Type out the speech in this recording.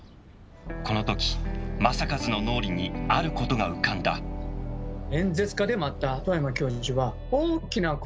このとき正一の脳裏にあることが浮かんだと思ってるんですよ。